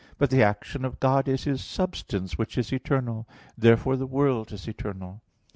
But the action of God is His substance, which is eternal. Therefore the world is eternal.